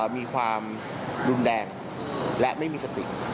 มีความรุนแรงและไม่มีสติ